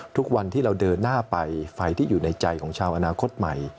ทุกวันที่เราเดินหน้าไปไฟที่อยู่ในใจของชาวอนาคตใหม่